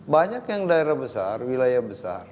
banyak yang daerah besar wilayah besar